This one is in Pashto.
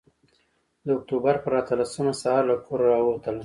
د اکتوبر پر اتلسمه سهار له کوره راووتلم.